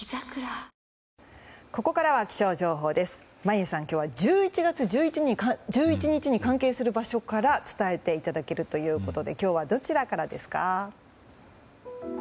眞家さん、今日は１１月１１日に関係する場所から伝えていただけるということで今日はどちらからですか？